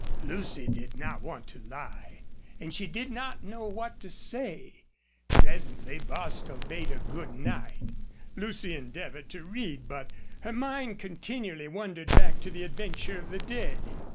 Lucy did not want to lie and she did not know what to say. Presently Bostil bade her good night. Lucy endeavored to read, but her mind continually wandered back to the adventure of the day.